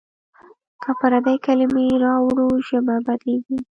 که پردۍ کلمې راوړو ژبه بدلېږي.